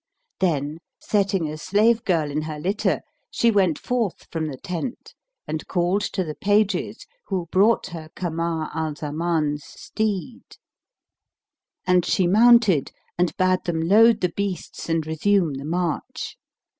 [FN#312] Then, setting a slave girl in her litter, she went forth from the tent and called to the pages who brought her Kamar al Zaman's steed; and she mounted and bade them load the beasts and resume the march.